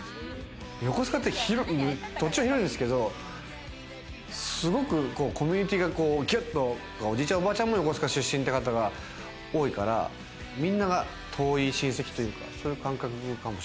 横須賀って土地は広いんですけれども、すごくコミュニティーがギュっとおじいちゃん、おばあちゃんも横須賀出身っていう方が多いから、みんなが遠い親戚というか。